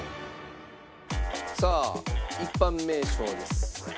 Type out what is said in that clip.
さあ一般名称です。